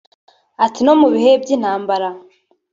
Ati “No mu bihe by’intambara